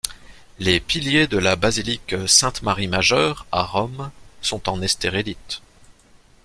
Les piliers de la Basilique Sainte-Marie-Majeure à Rome sont en esterellite.